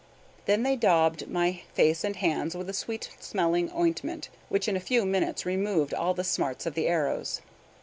Then they daubed my face and hands with a sweet smelling ointment, which in a few minutes removed all the smarts of the arrows.